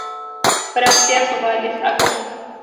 Brácteas ovales, agudas.